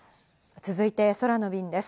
続いて、空の便です。